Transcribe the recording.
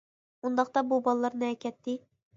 ئۇنداقتا بۇ بالىلار نەگە كەتتى؟ !